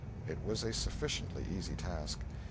It was a sufficiently easy task.